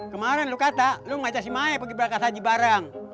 kemaren lu kata lu manja si maya pergi berangkat saji bareng